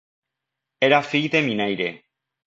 Era fill de minaire.